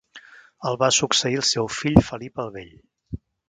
El va succeir el seu fill Felip el Bell.